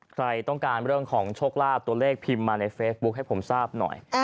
ใครต้องการเรื่องของโชคลาภตัวเลขพิมพ์มาในเฟซบุ๊คให้ผมทราบหน่อย